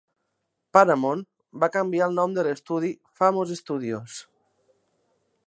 Paramount va canviar el nom de l'estudi Famous Studios.